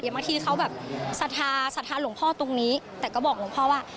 บางทีเขาแบบสาธารุงพ่อตรงนี้แต่ก็บอกลุงพ่อว่า